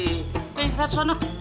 ntar istirahat sonok